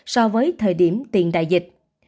so với thời điểm tiền đại dịch